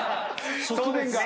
そうですね。